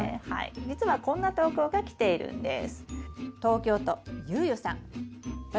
じつはこんな投稿が来ているんです。